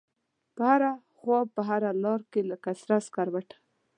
په هره خواپه هره لاره لکه سره سکروټه